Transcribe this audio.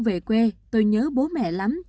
về quê tôi nhớ bố mẹ lắm